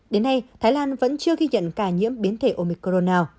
đến nay thái lan vẫn chưa ghi nhận cả nhiễm biến thể omicron nào